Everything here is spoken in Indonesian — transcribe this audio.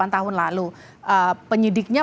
delapan tahun lalu penyidiknya